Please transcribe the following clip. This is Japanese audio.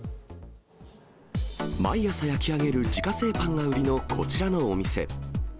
毎朝焼き上げる自家製パンが売りのこちらのお店。